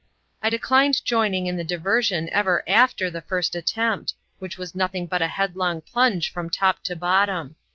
I declined joining in the diversion ever after the first attempt, which was nothing but a headlong plunge from top to bottom.